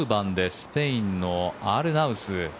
スペインのアルナウス。